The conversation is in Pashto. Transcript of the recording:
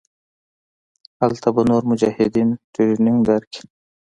هلته به نور مجاهدين ټرېننګ دركي.